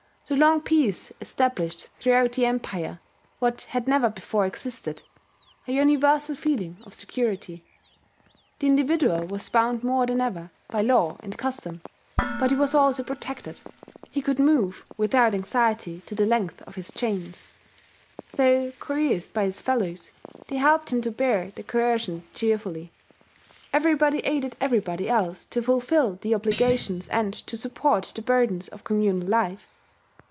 The long peace established throughout the Empire what had never before existed, a universal feeling of security. The individual was bound more than ever by law and custom; but he was also protected: he could move without anxiety to the length of his chains. Though coerced by his fellows, they helped him to bear the coercion cheerfully: everybody aided everybody else to fulfil the obligations and to support the burdens of communal life.